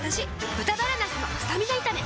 「豚バラなすのスタミナ炒め」